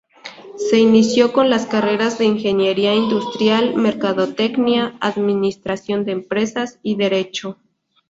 Se inició con las carreras de Ingeniería Industrial, Mercadotecnia, Administración de Empresas y Derecho.